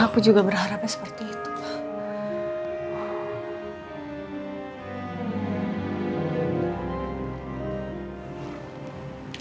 aku juga berharapnya seperti itu